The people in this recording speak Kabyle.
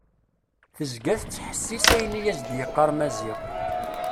Tezga tettḥessis ayen i as-d-yeqqar Maziɣ.